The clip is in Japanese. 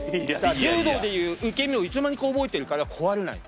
柔道でいう「受け身」をいつの間にか覚えてるから壊れないの。